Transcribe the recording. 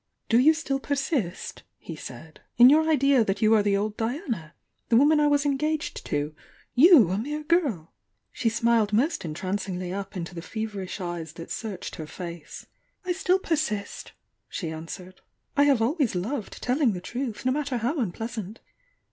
., "Do you still persist," he said, "in your idea toat you are die old Diana?— the woman I was engaged to? — ^you, a mere girl?" .^ ^i. *• u She smiled most entrancmgly up mto toe f evensn eyes that searched her face. ,„^., "I stiU persist!" she answered— "I have always loved telling the truth, no matter how unpleasant!